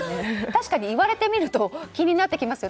確かに、言われてみると気になってきます。